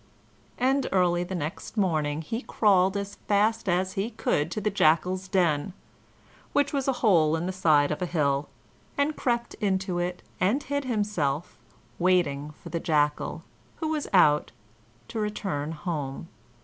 And early the next morning he crawled as fast as he could to the Jackal's den (which was a hole in the side of a hill) and crept into it, and hid himself, waiting for the Jackal, who was out, to return home.